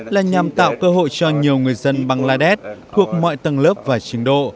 là nhằm tạo cơ hội cho nhiều người dân bangladesh thuộc mọi tầng lớp và trình độ